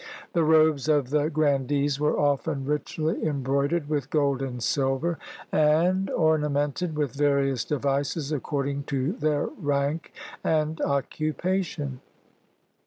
The robes of the grandees were often richly embroidered with gold and silver, and orna 31 CHINA mented with various devices, according to their rank and occupation.